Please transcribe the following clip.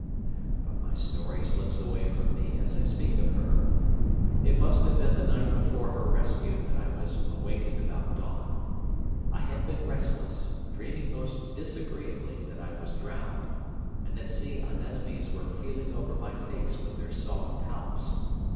But my story slips away from me as I speak of her. It must have been the night before her rescue that I was awakened about dawn. I had been restless, dreaming most disagreeably that I was drowned, and that sea anemones were feeling over my face with their soft palps.